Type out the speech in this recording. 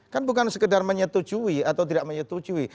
kan bukan sekedar menyetujui atau tidak menyetujui